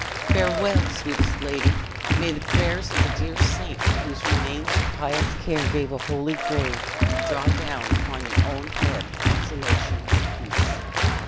"Farewell, sweetest lady! May the prayers of the dear saint, to whose remains your pious care gave a holy grave, draw down upon your own head consolation and peace!"